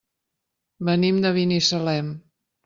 Venim de Binissalem.